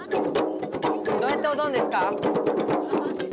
どうやっておどんですか？